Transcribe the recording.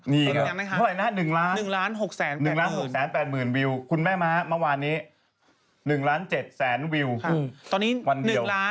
นี่ค่ะหนึ่งล้าน๑๖๘๐๐๐๐วิวค่ะคุณแม่ม้ามาวานนี้๑๗๐๐๐๐๐๐วิวค่ะ